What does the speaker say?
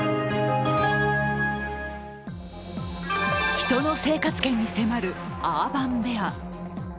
人の生活圏に迫るアーバンベア。